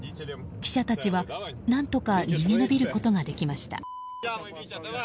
記者たちは、何とか逃げ延びることができました。